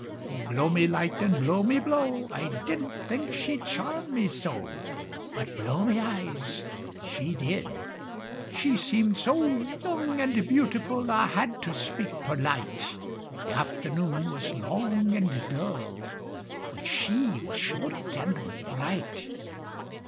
O, blow me light and blow me blow, I didn't think she'd charm me so But, blow me eyes, she did! She seemed so young and beautiful I had to speak perlite, (The afternoon was long and dull, But she was short and bright).